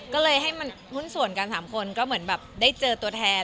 ก็เลยให้มันหุ้นส่วนกัน๓คนก็เหมือนแบบได้เจอตัวแทน